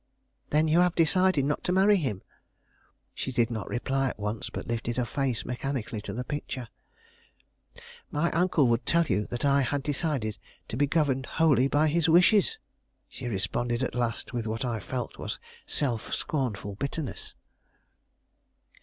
"Then you have decided not to marry him?" She did not reply at once, but lifted her face mechanically to the picture. "My uncle would tell you that I had decided to be governed wholly by his wishes!" she responded at last with what I felt was self scornful bitterness.